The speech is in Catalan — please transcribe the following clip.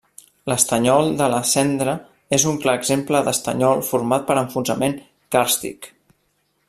L'estanyol de la Cendra és un clar exemple d'estanyol format per enfonsament càrstic.